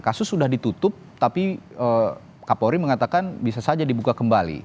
kasus sudah ditutup tapi kapolri mengatakan bisa saja dibuka kembali